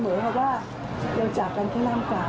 ไม่ได้หายทุกขึ้นจากอันดีในกาย